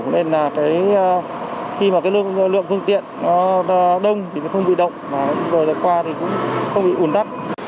nên khi lượng phương tiện đông thì sẽ không bị động rồi lại qua thì cũng không bị ủn đắp